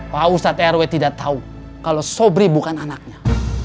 pausat eroi tidak tahu kalau sobri bukan anaknya